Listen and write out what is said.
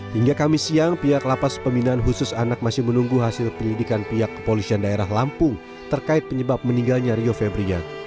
hingga kamis siang pihak lapas pembinaan khusus anak masih menunggu hasil penyelidikan pihak kepolisian daerah lampung terkait penyebab meninggalnya rio febrian